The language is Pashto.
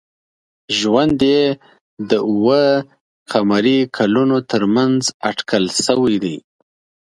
ژوند یې د اوه ق کلونو تر منځ اټکل شوی دی.